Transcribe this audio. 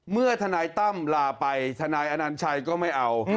เมื่อทนายตั้มลาไปทนายอันนาจีรวก็ไม่เอา